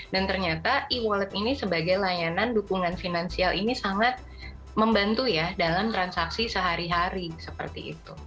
dan ternyata e wallet ini sebagai layanan dukungan finansial ini sangat membantu ya dalam transaksi sehari hari seperti itu